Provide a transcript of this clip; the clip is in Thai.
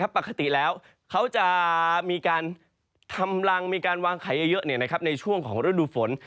ปกติแล้วเขาจะมีการทำรังมีการวางไขเยอะในช่วงของฤดูฝน